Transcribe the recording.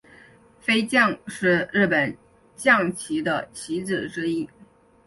飞将是日本将棋的棋子之一。